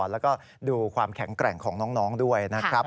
แล้วก็ดูความแข็งแกร่งของน้องด้วยนะครับ